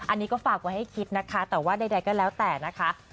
อันนี้ก็ฝากไว้ให้คิดนะคะแต่ว่าใดก็แล้วแต่นะคะ